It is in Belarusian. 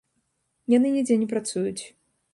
Яны нідзе не працуюць.